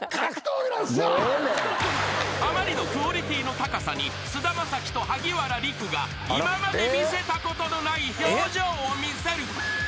［あまりのクオリティーの高さに菅田将暉と萩原利久が今まで見せたことのない表情を見せる］